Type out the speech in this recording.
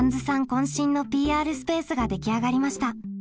こん身のＰＲスペースが出来上がりました。